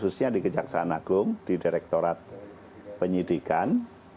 khususnya di kejaksaan agung di direktorat penyidikan